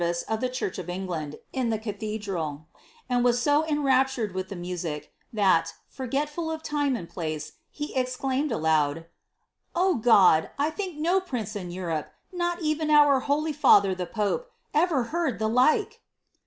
SB5 Tice of the charch of England in the cathedral, and was so enraptured with the music, that, forgetful of time and place, he exclaimed aloud, ^0 God, I thiuk no prince in Europe, not even our holy father the pope, ever heard the like."